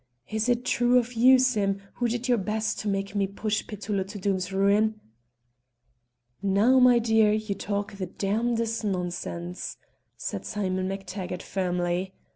"Is it true of you, Sim, who did your best to make me push Petullo to Doom's ruin?" "Now, my dear, you talk the damnedest nonsense!" said Simon MacTaggart firmly.